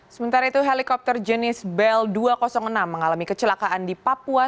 sementara itu helikopter jenis bel dua ratus enam mengalami kecelakaan di papua